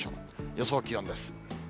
予想気温です。